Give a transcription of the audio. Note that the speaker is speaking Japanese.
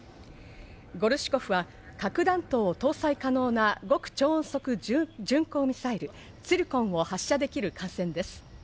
ゴルシコフは核弾頭を搭載可能な巡航ミサイルツィルコンを発射できる艦船です。